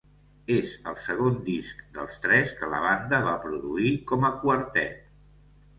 És el segon disc dels tres que la banda va produir com a quartet.